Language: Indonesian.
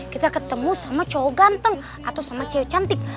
kita ketemu sama cowok ganteng atau sama cewek cantik